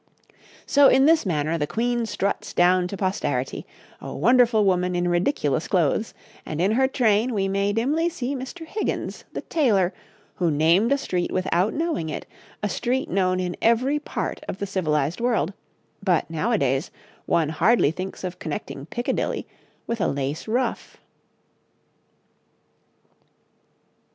So in this manner the Queen struts down to posterity, a wonderful woman in ridiculous clothes, and in her train we may dimly see Mr. Higgins, the tailor, who named a street without knowing it, a street known in every part of the civilized world; but, nowadays, one hardly thinks of connecting Piccadilly with a lace ruff....